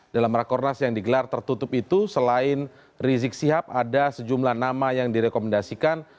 dalam rakornas yang digelar tertutup itu selain rizik sihab ada sejumlah nama yang direkomendasikan